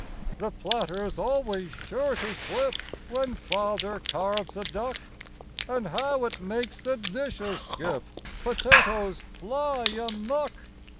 The platter's always sure to slip When Father carves a duck. And how it makes the dishes skip! Potatoes fly amuck!